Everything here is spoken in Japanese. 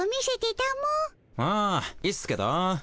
あいいっすけど。